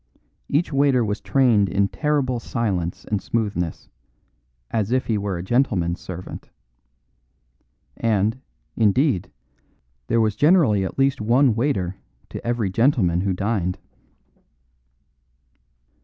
Each waiter was trained in terrible silence and smoothness, as if he were a gentleman's servant. And, indeed, there was generally at least one waiter to every gentleman who dined.